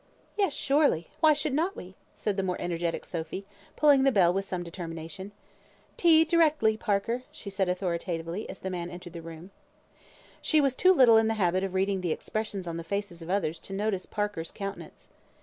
"Yes, surely. Why should not we?" said the more energetic Sophy, pulling the bell with some determination. "Tea directly, Parker," said she, authoritatively, as the man entered the room. She was too little in the habit of reading expressions on the faces of others to notice Parker's countenance.